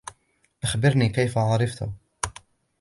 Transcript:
أخبرني, كيف عرفتَ ؟